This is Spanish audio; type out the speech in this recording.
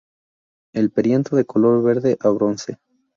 El perianto de color verde a bronce.